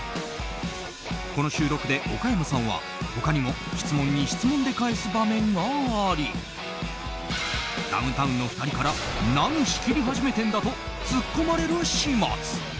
この収録で岡山さんは、他にも質問に質問で返す場面がありダウンタウンの２人から何、仕切り始めてんだとツッコまれる始末。